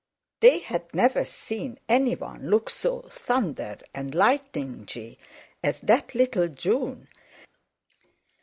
They had never seen anyone look so thunder and lightningy as that little June!